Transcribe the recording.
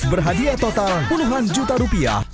berhadiah total puluhan juta rupiah